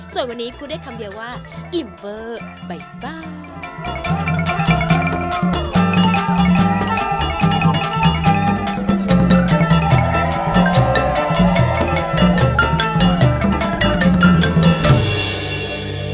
ส่วนวันนี้พูดได้คำเดียวว่าอิมเวอร์ใบบ้า